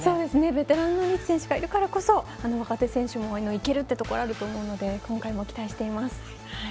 ベテランのリーチ選手がいるからこそ若手選手もいけるってことがあると思うので今回も期待しています。